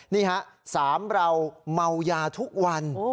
นี่ฮะสามเราเมายาทุกวัน